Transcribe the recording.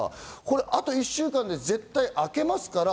あと１週間で絶対、明けますから。